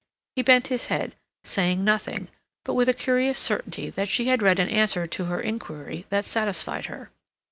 He bent his head, saying nothing, but with a curious certainty that she had read an answer to her inquiry that satisfied her.